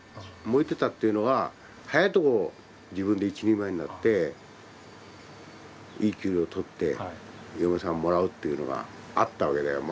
燃えてたというのは早いとこ自分で一人前になっていい給料とって嫁さんもらうというのがあったわけだよ。